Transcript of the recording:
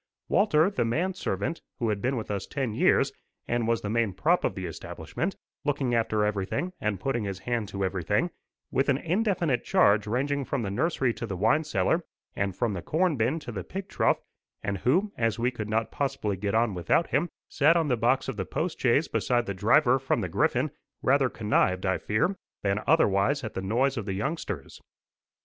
Walter, the man servant, who had been with us ten years, and was the main prop of the establishment, looking after everything and putting his hand to everything, with an indefinite charge ranging from the nursery to the wine cellar, and from the corn bin to the pig trough, and who, as we could not possibly get on without him, sat on the box of the post chaise beside the driver from the Griffin, rather connived, I fear, than otherwise at the noise of the youngsters.